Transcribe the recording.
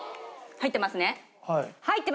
入ってます。